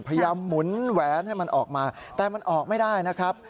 หมุนแหวนให้มันออกมาแต่มันออกไม่ได้นะครับ